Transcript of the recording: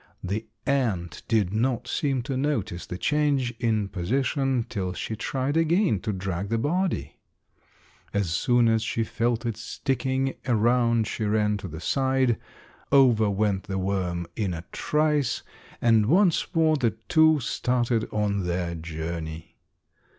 The ant did not seem to notice the change in position till she tried again to drag the body. As soon as she felt it sticking, around she ran to the side, over went the worm in a trice, and once more the two started on their journey.